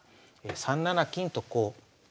３七金とこう。